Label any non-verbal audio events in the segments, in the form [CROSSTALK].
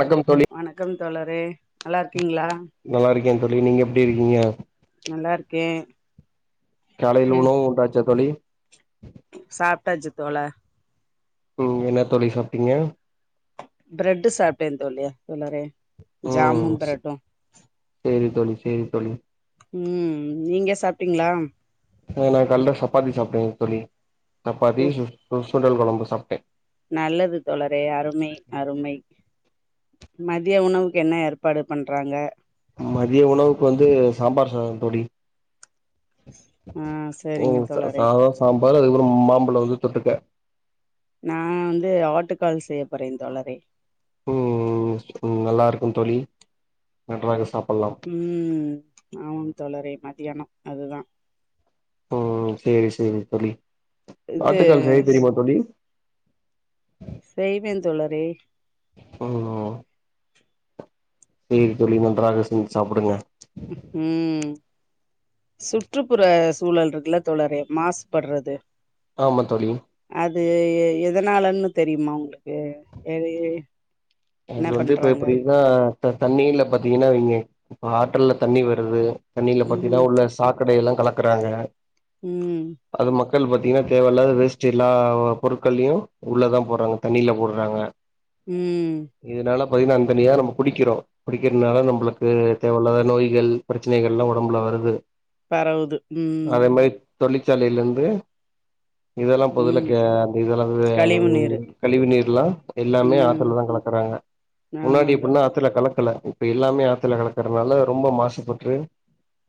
வணக்கம் தோழி வணக்கம் தோழரே நல்லாருக் கீங்ளா நல்லா இருக்கே தோழி நீங்க எப்டி இருக்கீங்க நல்லாருக்கே காலைல உணவு உண்டாச்சா தோழி சாப்ட்டாச்சு தோழா ம் என்ன தோழி சாப்ட்டீங்க ப்ரெட் சாப்டே தோழி தோழரே ம் ஜாம்மு ப்ரெட்டு சேரி தோழி செரி தோழி உம் நீங்க சாப்டீங்ளா ஆ நா கால்ல சப்பாத்தி சாப்ட்டேங் தோழி சப்பாதி சூப் சு சுண்டல் கொழம்பு சாப்ட்டே நல்லது தோழரே அருமை அருமை மதிய உணவுக்கு என்ன ஏற்பாடு பண்றாங்க மதிய உணவுக்கு வந்து சாம்பார் சாதம் தோழி ஆ ஓ சரிங்க ச தோழரே சாதோ சாம்பார் அதுகப்றோ மாம்பழோ வந்து தொட்டுக்க நா வந்து ஆட்டுக்கால் செய்ய போறே தோழரே வணக்கம் தோழி நன்றாக சாப் உம் ஆன் தளர மதியானம் அதுதான் செரி செரி தோழி இது ஆட்டுக்கால் செய்ய தெரியுமா தோழி செய்வே தோழரே ஒ ஓ சேரி தோழி ஒன்றாக செஞ் சாப்புடுங்க ம் சுற்றுப்புற சூழல் இருக்குல தோழரே மாஸ்படுறது ஆமா தோழி எ எதனாலன்னு தெரியுமா உங்களுக்கு எதை அது வந்து இப்ப எப்டின்னா த தண்ணீல பாத்தீங்கன்னா வைங்க இப்ப ஆற்றுல்ல தண்ணி வருது தண்ணியில பாத்தீன்னா ம் உள்ள சாக்கடையெல்லா கலக்குறாங்க ம் பொட்கள் பாத்தீங்கன்னா தேவையில்லாத வேஸ்டுயெல்லா பொருட்கள்ளியு உள்ளதா போடுறாங்க தண்ணில போடுறாங்க ம் இதனால பாத்திங்கன்னா அந்தண்ணியா தா நம்ம குடிக்கிறோ குடிக்கிறதுனால நம்பளுக்கு தேவயில்லாத நோய்கள் ப்ரச்சனைக எல்லா ஒடம்புல வருது பரவுது ம் தொழிசாலலேந்து இதெல்லா பொதுல ம் அந்த இதெல்லா வெ கழிவு வு நீரு கழிவு நீீர்லா எல்லாமே ம் ஆத்தல தா கலக் கறங்க ஆமா முன்னாடி எப்டின்னா தோழர் அத்துல கலக்குல இப்ப எல்லாமே ஆத்துல கலக்கறனால ரொம்ப மாசுபட்டு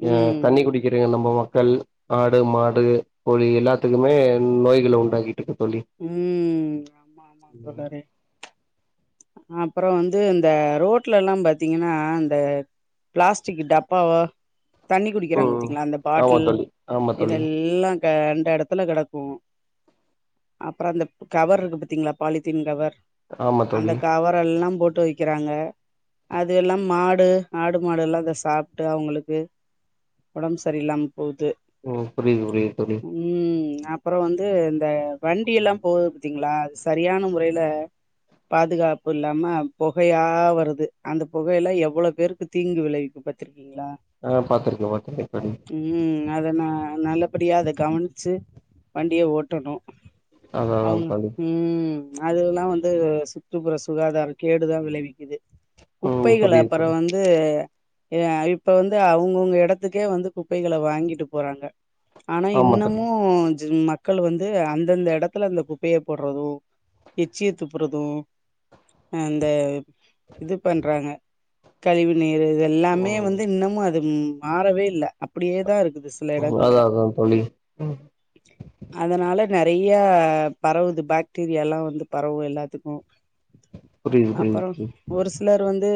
ம் தண்ணி குடிக்கிறங்க நம்ப ம க்கள் ஆடு மாடு கோழி எல்லாத்துக்குமே நோய்கள உண்டாக்கி ம் ஆமா ஆமா தோழரே அப்றோ வந்து இந்த ரோட்ல எல்லா பாத்தீங்கன்னா இந்த பிளாஸ்டிகி டப்பாவோ தண்ணி குடிக்கிறாங்க ம் பத்திங்களா அந்த ஆமா பாட்டில் தோழி ஆமா தோழி இதெல்லா க ண்ட எடத்துல கெடக்கு அப்றோ அந்த கவருக்கு பத்தீங்களா பாலித்தீன் கவர் ஆமா அந்த தோழி கவரெல்லா போட்டு வைக்கறாங்க அதெல்லா மாடு ஆடு மாடு எல்லா அத சாப்ட்டு அவுங்களுக்கு ஒடம் சரியில்லாம போகுது ஓ புரியுது புரியுது தோழி அப்றோ வந்து இந்த வண்டியெல்லா போகுது பத்தீங்களா அது சரியான முறையில பாதுகாப்பு இல்லாம பொகையா வருது அந்த பொகையல்ல எவ்ளோ பேருக்கு தீங்கு விளைவிக்கு பத்திருக்க ஆ பாத்துருக்கே பாத்துருக்கே தோழி ம் அத நா நல்லபடியா அத கவுனிச்சு வண்டிய ஓட்டணு அதா அதா அவுங்க தோழி ம் அதெல்லா வந்து சுற்றுப்புற சுகாதார கேடு தா விளைவிக்குது ம் குப்பைகள புரியுது அப்ற தோழி வந்து எ இப்ப வந்து அவுங்கவுங்க எடத்துக்கே வந்து குப்பைகள வாங்கிட்டு போறாங்க ஆனா ஆமா தோழி இன்னமு ஜி மக்களு வந்து வந்து அந்தந்த எடத்துல அந்த குப்பைய போடுறது எச்சிய துப்புறது அந்த இது பண்றாங்க கழிவுநீர் இதேல்லாமே ம் வந்து இன்னமு அது மாறவே இல் அப்டியே தா இருக்குது சில எடங்கள்ல அதா அதா தோழி ம் அதனால நெறைய பரவுது பாக்டீரியால்லா வந்து பரவு எல்லாத்துக்கு புரியுது அப்றோ புரியுது தோழி ஒரு சிலரு வந்து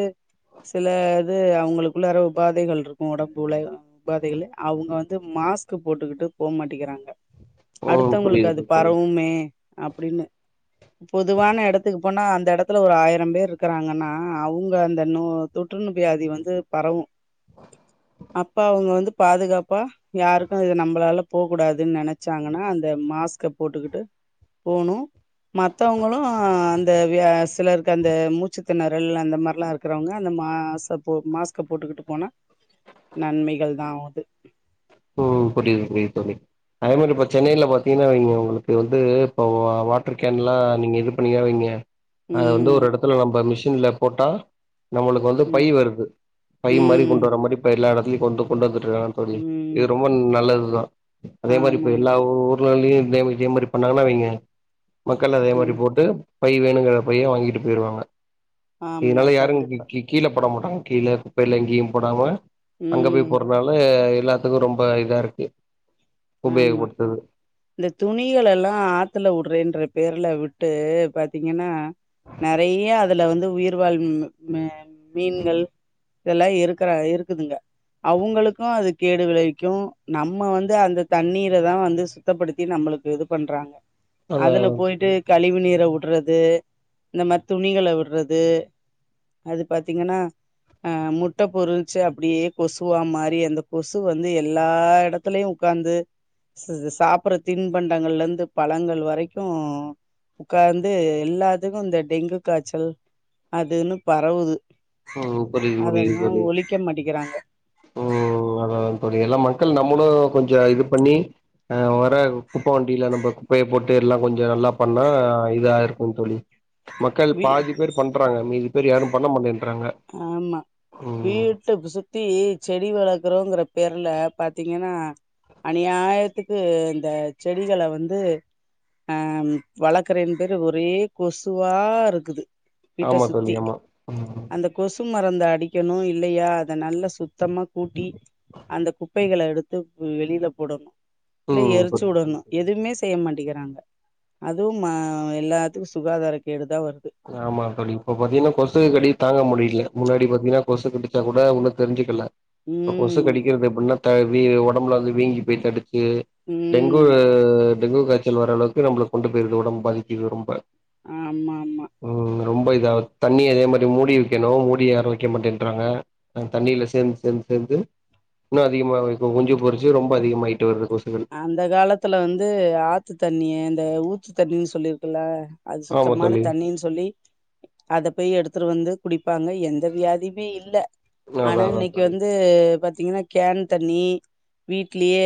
சில இது அவுங்களுக்குள்ளாற உபாதைக இருக்கு ஒடம்புல உபாதைகளு அவுங்க வ ந்து மாஸ்க் போட்டுக்கிட்டு போ மாட்டேகிறாங்க ம் அடுத்தவங்களுக்கு அது புரியுது தோழி பரவுமே அப்புடின்னு பொதுவான எடத்துக்கு போனா அந்த இடத்துல ஒரு ஆயிரம் பேர்ருக்கிறாங்கன்னா அவங்க அந்த நோ தொற்றுனுவியாதி வந்து பரவு அப்ப அவுங்க வந்து பாதுகாப்பா யாருக்கு இது நம்பலால போக கூடாதுனு நெனச்சாங் கனா அந்த மாஸ்க போட்டுக்கிட்டு போணு மத்தவங்களு அ அந்த வியா சிலருக்கு அந்த மூச்சு திணறல் அந்த மார்ல்லா இருக்கிறவங்க அந் மாச போ மாஸ்க போட்டுக்கிட்டு போனா நன்மைகள் தா ஆவுது ம் புரியுது புரியுது தோழி அதே மாரி இப்ப சென்னையில பாத்தீங்கனா இவங்களுக்கு வந்து இப்ப வாட்டர் கேன்லா நீங்க இது பண்ணிறாய்ங்க அது வந்து ம் ஒரு இடத்துல நம்ம மிஷின்ல போட்டா நம்மளுக்கு வந்து பை ம் வருது பை மாரி ம் கொண்டு வர்ற மாரி இப்ப எல்லா இடத்திலயையு கொண்டு கொண்டு வந்துட்டு இருக்காங்க தோழி ம் இது ரொம்ப நல்லது தா அதே மாரி இப்ப ஆமா எல்லா உ ஊர் லையு இதே முக்கியம் மாரி பண்ணாங்கன்னா வைங்க மக்கள் அதே மாரி ம் போட்டு பை வேணுங்கிற பைய வாங்கிட்டு போயிருவாங்க ஆமா இதனால யாரும் கீ கண்டிப்பா கீ கீழ போட மாட்டாங்க கீழ குப்பைல எங்கேயு போடாம அங்க ம் போய் போடுறதால அது ரொம்ப இதா இருக்கு ஆமா உபயோகப்படுத்துது இந்த துணிகள எல்லா ஆத்துல வுடுறேன்ற பேர்ல விட் டு பாத்தீங்கனா நெறைய அதுல வந்து உயிர் வாழும் மே மீன்கள் இதெல்லா இருக்கிற இருக்குதுங்க அவங்களுக்கு அது கேடு விளைவிக்கு நம்ம வந்து அந்த தண்ணீர தா வந்து சுத்தப்படுத்தி நம்ளுக்கு இது பண்றாங்க அதா அதுல போயிட்டு கழிவு நீர வுட் றது இந்த மாரி துணிகள வுட்றது அது பாத்தீங்கனா ஆ முட்ட பொரிச்சு அப்டியே கொசுவா மாரி அந்த கொசு வந்து எல்லா இடத்துலயு உட்காந்து ஸ் ஸ் சாப்டுற தின்பண்டங்கள்ல இருந்து பழங்கள் வரைக்கு உக்காந்து எல்லாத்துக்கு இந்த டெங்கு காய்ச்சல் அதுன்னு பரவுது ம் புரியுது புரியுது அதெல்லா தோழி ஒழிக்க மாட்டேக்கிறாங்க ம் அதா தோழி எல்லா மக்கள் நம்மளு கொஞ்சோ இது பண்ணி ஆ வர குப்ப வண்டில நம்ம குப்பைய போட்டு எல்லா கொஞ்சோ நல்லா பண்ணா இதா இருக்கு தோழி மக்கள் வீ பாதி பேர் பண்றாங்க மீதி பேர் யாரு பண்ண மாட்டே ஆமா வீட்டப் சுத்தி செடி வளர்க்குறோங்ற பேர்ல பாத்தீங்கனா அநியாயத்துக்கு இந்த செடிகள வந்து ஆ வளக்கிறனுபேரு ஒரே கொசுவாருக்குது ஆமா தோழி ஆமா ம் அந்த கொசு மருந்த அடிக்கணு இல்லையா அத நல்ல சுத்தமா கூட்டி அந்த குப்பைகள எடுத்து வெளில போடணு இல்ல ம் புரியுது எரிச்சுவுடணு எதுவுமே செய்ய மாட்டேங்கி றாங்க அதுவும் மா எல்லாத்துக்கு சுகாதார கேடு ஆமா தோழி இப்ப பாத்தீங்கனா கொசு கடி தாங்க முடி ல முன்னாடி பாத்தீங்கனா கொசு கடிச்சா கூட ஒன்னு தெரிஞ்சுக்கல கொசு ம் கடிக்கிறது எப்டின்ன [UNINTELLIGIBLE] உடம்புல வந்து வீங்கி போய் தடிச்சு டெங்கு ம் டெங்கு காய்ச்சல் வரளவுக்கு நம்மளக் கொண்டு போயிருது உடம்ப பாதிக்குது ரொம்ப ஆமா ஆமா [UNINTELLIGIBLE] ரொம்ப இதாது தண்ணி அதே மாரி மூடி வைக்கணு மூடி யாரு வைக்க மாட்டேன்றாங்க தண்ணியில சேந்து சேந்து சேந்து இன்னு அதிகமாக குஞ்சு பொரிச்சு ரொம்ப அதிகமாய் அந்த காலத்துல வந்து ஆத்து தண்ணிய இந்த ஊத்து தண்ணின்னு சொல்லிருக்குல்ல அது ஆமா சுத்தமான தோழி தண்ணின்னு சொல்லி அத போய் எடுத்துட்டு வந்து குடிப்பாங்க எந்த வியாதியுமே இல்ல அதா ஆனா அதா இன்னைக்கு தோழி வந்து பாத்தீங்கனா கேன் தண்ணி வீட்லேயே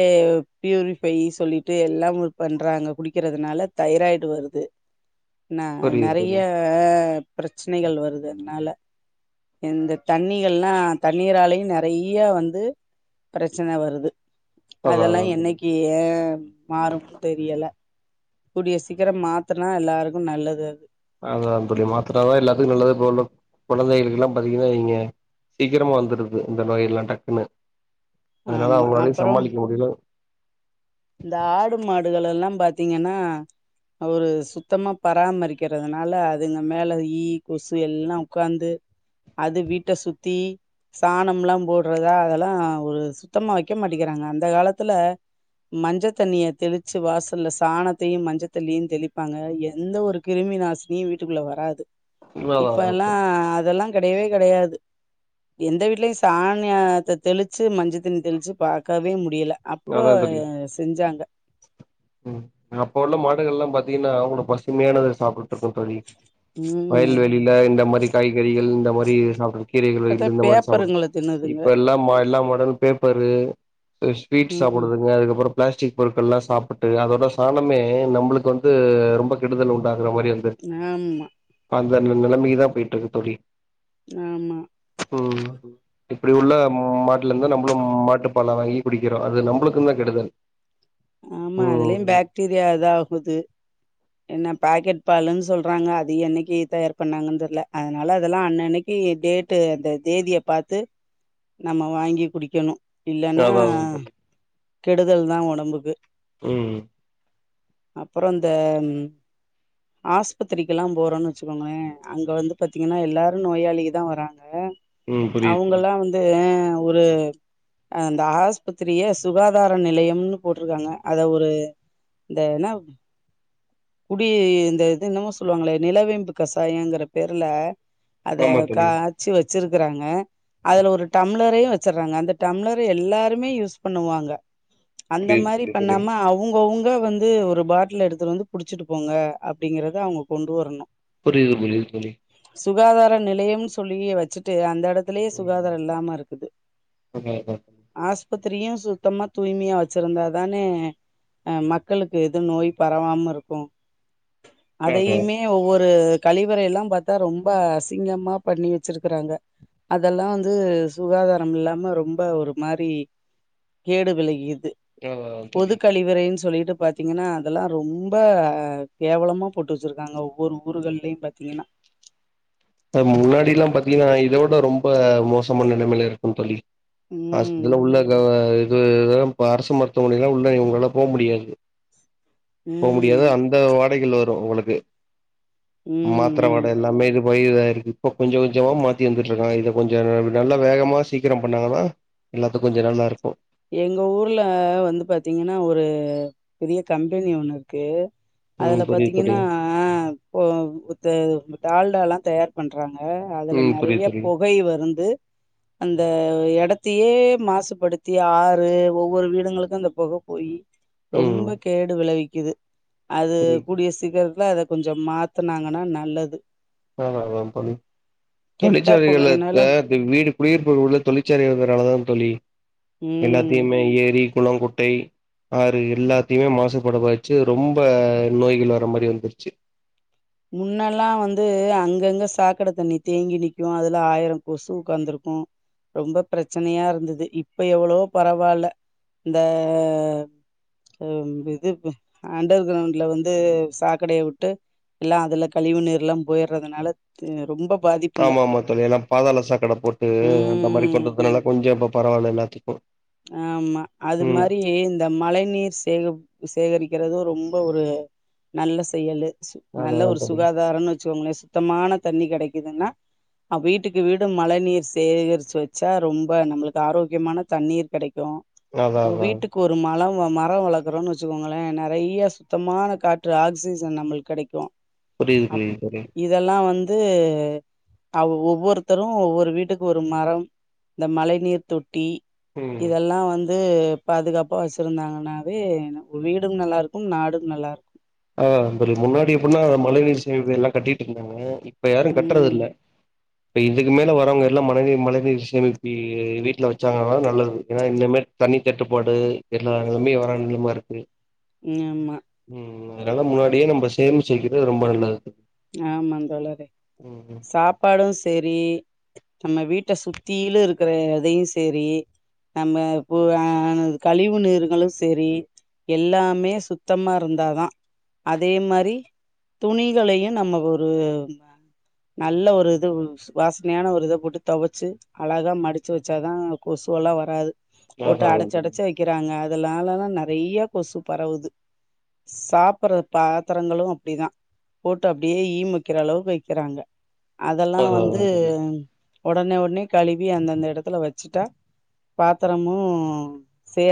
பியூரிஃபை சொல்லிட்டு எல்லா பண்றாங்க குடிக்கிறதுனால தைராய்டு வருது ந புரியுது நறைய தோழி பிரச்னைகள் வருது அதுனால இந்த தண்ணிகள்லா தண்ணீராலயு நறைய வந்து பிரச்சன வருது அதா அதெல்லா அதா தோழி என்னைக்கு ஏ மாறும்னு தெரியல கூடிய சீக்கிர மாத்துனா எல்லாருக்கு நல்லது அது அதா தோழி மாத்துனாதா எல்லாத்துக்கு நல்லது இப்ப உள்ள கொழந்தைகளுக்கு எல்லா பாத்திங்கனா இங்க சீக்கிரமா வந்துருது இந்த நோய் எல்லா டக்குனு அதனால ஆமா அவங்களாலயு அப்பறோ சமாளிக்க முடில இந்த ஆடு மாடுகளெல்லா பாத்திங்கனா ஒரு சுத்தமா பராமரிக்கிறதுனால அதுங்க மேல ஈ கொசு எல்லா உக்காந்து அது வீட்ட சுத்தி சாணம்லா போடறதா அதெல்லா ஒரு சுத்தமா வக்க மாட்டேங்றாங்க அந்த காலத்துல மஞ்ச தண்ணிய தெளிச்சு வாசல்ல சாணத்தையு மஞ்ச தண்ணியு தெளிப்பாங்க எந்த ஒரு கிருமி நாசினியு வீட்டுக்குள்ள வராது அதா இப்ப அதா எல்லா தோழி அதெல்லா கெடையவே கெடையாது எந்த வீட்லயு சாணி அத தெளிச்சு மஞ்சத்தண்ணி தெளிச்சு பாக்கவே முடியல அப்போ அதா தோழி செஞ்சாங்க ம் அப்ப உள்ள மாடுகள் எல்லா பாத்திங்கனா அவ்ளோ பசுமையானத சாப்டுட்ருக்கு தோழி ம் வயல்வெளில இந்த மாரி காய்கறிகள் இந்த மாரி சாப்டு கீரைகளு இ இப்பதா இந்த மாதிரி சாப்பிடு பேப்பருங்கள தின்னுதுங்க இப்ப எல்லா எல்லா மாடுகளு பேப்பரு ஸ்வீட் ம் சாப்டுதுங்க அதுக்கப்புற பிளாஸ்டிக் பொருட்கள் எல்லா சாப்புட் டு அதோட சாணமே நம்மளுக்கு வந்து ரொம்ப கெடுதல் உண்டா க்றமாதிரி அந்த ஆமா அந்த ந நெலைமைக்கு தா போய்ட்ருக்கு தோழி ஆமா ம் இப்டி உள்ள மாட்ல இருந்து நம்ளு மாட்டுப்பால வாங்கி குடிக்கிறோ அது நம்புளுக்குந்தா கெடுதல் ஆமா அதுலயு ம் பாக்டீரியாதா ஆகுது என்ன பாக்கெட் பாலுன் சொல்றாங்க அது என்னைக்கு தயார் பண்ணாங்கன் தெர்ல அதனால அதெல்லா அன்னன்னைக்கு டேட்டு அந்த தேதிய பாத்து நம்ம வாங்கி குடிக்கணு இல்லனா அதா அதா தோழி கெடுதல் தா ஒடம்புக்கு ம் அப்புற இந்த ஆஸ்பித்திரிக்கெல்லா போறொன் வச்சுக்கோங்களே அங்க வந்து பாத்திங்கனா எல்லாரு நோயாளிக தா வராங் க ம் புரியுது தோழி அவுங்கலா வந்து அ ஒரு அந்த ஆஸ்பித்திரிய சுகாதார நிலையம்னு போட் இருக்காங்க அத ஒரு இந்த என்ன குடி இந்த இது என்னமோ சொல்லுவாங்களே நிலவேம்பு கசாயங்ற பேருல அத ஆமா தோழி காச்சி வச்சிருக்றாங்க ம் அதுல ஒரு டம்ளரையு வெ ச்சர்றாங்க அந்த டம்ளர எல்லாருமே யூஸ் பண்ணுவாங்க அந்த புரியுது மாரி புரியுது பண்ணாம அவங்கவுங் க வந்து ஒரு பாட்டில் எடுத்துட்டு வந்து புடிச்சிட்டு போங்க அப்டிங்றது அவுங்க கொண்டு வரணு புரியுது புரியுது தோழி சுகாதார நிலையம்னு சொல்லி வச்சுட்டு அந்தெட த்துலயே சுகாதார ம் இல்லாம இருக்குது அதா அதா ஆஸ்பித்திரியு சுத்தமா தூய்மையா வச்சிருந்தாதானே அ மக்களுக்கு இது நோய் பரவாம இருக்கு அதா அதையுமே ஒவ்வொரு கழிவறை எல்லா பாத்தா ரொம்ப அசிங்கமா பண்ணி வச்சிருக்கறாங்க அதெல்லா வந்து சுகாதாரம் இல்லாம ரொம்ப ஒரு மாரி கேடு விலகியது ஆ பொது தோழி கழிவறைன் சொல்லி ட்டு பாத்திங்கனா அதெல்லா ரொம்ப கேவலமா போட்டு வச்சிருக்காங்க ஒவ்வொரு ஊர்கள்லயு பாத்திங்கனா [INAUDIBLE] அ முன்னாடி எல்லா பாத்தீங்கன்னா இதோட ரொம்ப மோசமான நிலைமில இருக்கு தோழி ம் [UNINTELLIGIBLE] உள்ள க இது இப்ப அரசு மருத்துவமனைிலா உள்ள இவங்களால போ முடியாது போ முடியாது ம் அந்த வாடைகள் வரு உங்களுக்கு ம் மாத்திரை வாட ம் எல்லாமே இது வய இருக்கு இப்ப கொஞ்ச கொஞ்சமா மாத்தி வந்துட்டு இருக்காங்க இதை கொஞ்ச நல்லா வேகமா சீக்கிரம் பண்ணாங்கன்னா எல்லாத்துக்கு ஜெனுன்னா இருக்கு எங்க ஊர்ல வந்து பாத்தீங்கன்னா ஒரு பெரிய கம்பெனி ஒண்ணு இருக்கு ம் அதுல புரியுது தோழி பாத்தீங்கன்னா [UNINTELLIGIBLE] டால்ட எல்லா தயார் பண்றாங்க அதுல ம் நறைய புரியுது தோழி புகை வருந்து அந்த எடத் சுத்தியே மாசுபடுத்தி ஆறு ஒவ்வொரு வீடுகங்களுக்கு அந்த புகை போயி ம் ரொம்ப கேடு விளைவிக்குது அது புரியுது கூடிய சீக்கி ரத்ல அத கொஞ்ச மாத்துனாங்கன்னா நல்லது ஆமா ஆமா பண்ணி கெட்ட புகையினால தொழிற்சாலைகள்த்த வீடு குடியிருப்பு உள்ள தொழிற்சாலைகள் இருக்கிறனாலதா தோழி ம் எல்லாத்தையுமே ஏரி குளங்குட்டை ஆறு எல்லாத்தையுமே மாசுபட வச்சு ரொம்ப நோய்கள் வர மாரி வந்துருச்சு முன்னெல்லா வந்து அங்கங்க சாக்கடை தண்ணி தேங்கி நிக்கும் அதுல ஆயிரம் கொசு உட்காந்துருக்கு ம் ரொம்ப பிரச்சனையா இருந்தது இப்ப எவ்ளோ பரவால்ல இந்த ஆ‌இது அண்டர் கிரவுண்ட்ல வந்து சாக்கடைய விட்டு எல்லா‌ அதுல கழிவுநீர்ல்லா போயிடுறதுனால ரொம்ப பாதிப்பு இல்ல ஆமா ஆமா தோழி எல்லா பாதாள சாக்கடை போட்டு அந்த மாரி ம் கொண்டதுனால கொஞ்ச இப்ப பரவால்ல எல்லாத்துக்கு ஆமா அது ம் மாரி இந்த மழை நீர் சேக சேகரிக்கிறது ரொம்ப ஒரு நல்ல செயலு நல்ல அதாதா ஒரு தோழி சுகாதாரம் வச்சுக்கோங்களே சுத்தமான தண்ணி கிடைக்குதுன்னா வீட்டுக்கு வீடு மழை நீர் சேகரிச்சு வச்சா ரொம்ப நம்மளுக்கு ஆரோக்கியமான தண்ணீர் அதா உங்க அதா வீட்டுக்கு ஒரு மழம் மரம் வளர்க்குறோம்ன்னு வச்சுக்கோங்களே நறைய சுத்தமான காற்று ஆக்சிஜன் நம்மளுக்கு கடைக்கு புரியுது அப் புரியுது தோழி இதெல்லா வந்து அவ ஒவ்வொருத்தரும் ஒவ்வொரு வீட்டுக்கு ஒரு மரம் இந்த மழை நீர் தொட்டி ம் இதெல்லா வந் வந்து பாதுகாப்பா வச்சிருந்தாங்கன்னாவே வீடும் நல்லா இருக்கும் நாடும் நல்லா இருக்கும் ஆ தோழி முன்னாடி எப்டின்னா மழை நீீர் சே எல்லா கட்டிட்டு இருந்தாங்க இப்ப யாரு இருக்கு கட்றது ம் இல்ல இப்ப இதுக்கு மேல வரவங்க எல்லாம் மழ மழைநீர் சேமிப்பி வீட்ல வச்சாங்க நல்லது ஏன்னா இந்தம தண்ணி தட்டுப்பாடு எல்லா நெலமே வர நெலம இருக்கு ஆமா ம் அதனால முன்னாடியே நம்ம சேமிச்ச வக்கிறது ரொம்ப நல்லது ஆமா தோழரே ம் சாப்பாடும் சரி நம்ம வீட்ட சுத்தில இருக்கிற எதையு சேரி நம்ம இப்ப கழிவு நீீறுங்களு சேரி எல்லாமே சுத்தமா இருந்தாதா அதே மாரி துணிகளையு நம்ம ஒரு நல்ல ஒரு இது வாசனையான ஒரு இத போட்டு துவச்சு அழகா மடிச்சு வச்சாதா கொசு சோல்லாம் வராது போட்டு அதா அடைச்சடைச்ச வைக்கிறாங்க அதலாலல்லா நறையா கொசு பரவுது. சாப்ற பாத்திரங்களு அப்படிதா போட் டு அப்படியே ஈ முக்கிற அளவுக்கு வைக்கிறாங்க அதெல்லா அதா வந்து தோழி உடனே உடனே கழுவி அந்தந்த எடத்துல வச்சுட்டா பாத்தரமு சே